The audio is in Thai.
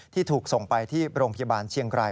ที่ถูกส่งไปที่โรงพยาบาลเชียงราย